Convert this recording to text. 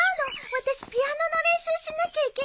私ピアノの練習しなきゃいけなくて。